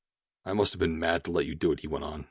"I must have been mad to let you do it," he went on.